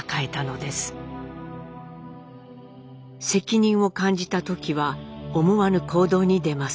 責任を感じたトキは思わぬ行動に出ます。